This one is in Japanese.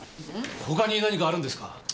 ほかに何かあるんですか！？